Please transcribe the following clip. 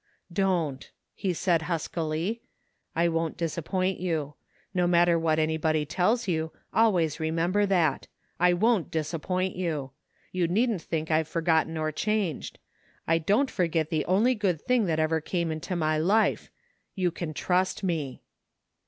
" Don't !" he said huskily. " I won't disappoint you. No matter what anybody tells you, always re member that. I won't disappoint you! You needn't think I've forgotten or changed. I don't forget the only good thing that ever came into my life. You can trust me!